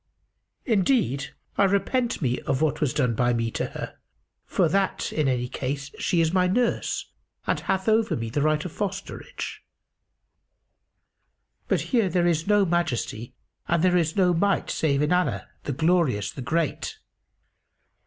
Indeed, I repent me of what was done by me to her, for that, in any case, she is my nurse and hath over me the right of fosterage. But there is no Majesty and there is no Might save in Allah, the Glorious, the Great!"